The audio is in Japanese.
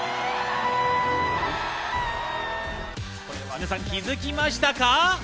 皆さん気づきましたか？